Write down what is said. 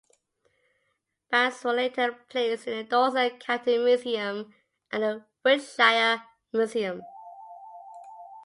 Finds were later placed in the Dorset County Museum and the Wiltshire Museum.